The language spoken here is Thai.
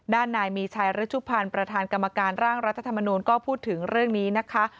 ด้านนายมีชัยฤชุพันธ์ประธานกรรมการร่างรัฐธรรมนูลก็พูดถึงเรื่องนี้นะคะ